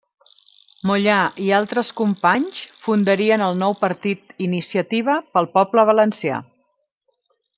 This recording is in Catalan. Mollà i altres companys fundarien el nou partit Iniciativa pel Poble Valencià.